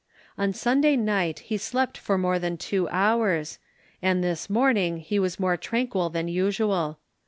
On Sunday night he slept for more than two hours; and this morning he was more tranquil than usual.